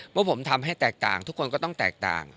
เมื่อผมทำให้แตกต่างทุกคนก็ต้องแตกต่าง